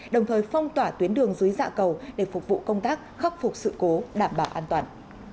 đồng thời phong tỏa tuyến đường dưới dạ cầu để phục vụ công tác khắc phục sự cố đảm bảo an toàn